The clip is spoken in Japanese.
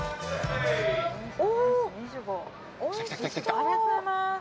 ありがとうございます。